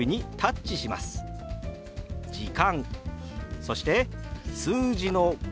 そして数字の「５」。